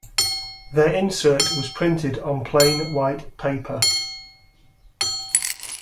Their insert was printed on plain white paper.